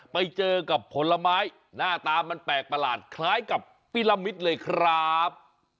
ไปเจอกับผลไม้หน้าตามันแปลกประหลาดคล้ายกับปิลมิตเลยครับ